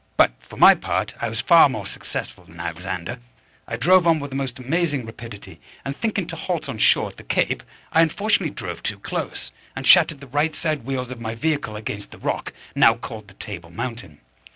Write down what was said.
But, for my part, I was far more successful than Alexander; I drove on with the most amazing rapidity, and thinking to halt on shore at the Cape, I unfortunately drove too close, and shattered the right side wheels of my vehicle against the rock, now called the Table Mountain.